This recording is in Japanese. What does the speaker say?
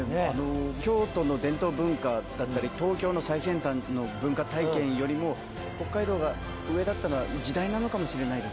京都の伝統文化だったり東京の最先端の文化体験よりも北海道が上だったのは時代なのかもしれないですね。